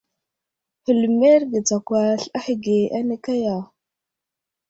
Hələmerge tsakwasl ahəge ane kaya.